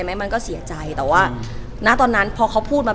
เหมือนนางก็เริ่มรู้แล้วเหมือนนางก็เริ่มรู้แล้ว